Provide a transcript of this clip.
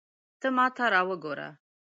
ته ماته را وګوره